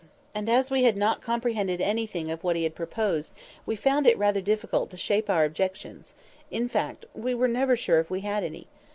And as we had not comprehended anything of what he had proposed, we found it rather difficult to shape our objections; in fact, we never were sure if we had any.